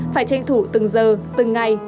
phải tranh thủ từng giờ từng ngày